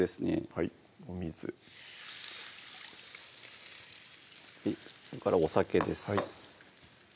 はいお水それからお酒です